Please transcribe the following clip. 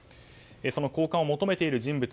交換を求めている人物